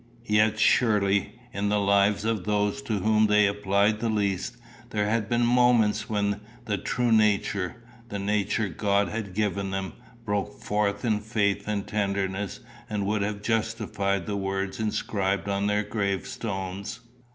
Yet, surely, in the lives of those to whom they applied the least, there had been moments when the true nature, the nature God had given them, broke forth in faith and tenderness, and would have justified the words inscribed on their gravestones!